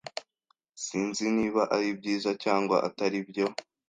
Sinzi niba ari byiza cyangwa atari byo.